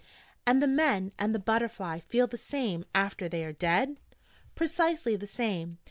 'And the men and the butterfly feel the same after they are dead?' 'Precisely the same.